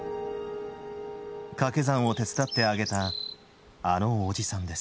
掛け算を手伝ってあげたあのおじさんです